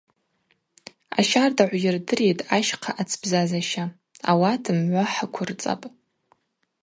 Ащардагӏв йырдыритӏ ащхъа ацбзазаща – ауат мгӏва хӏыквырцӏапӏ.